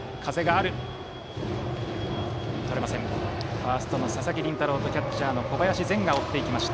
ファーストの佐々木麟太郎とキャッチャーの小林然がボールを追っていきました。